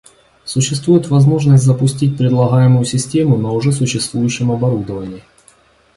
Существует возможность запустить предлагаемую систему на уже существующем оборудовании